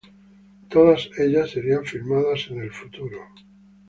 Todas ellas serían filmadas en el futuro.